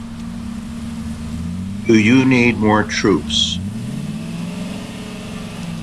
Do you need more troops?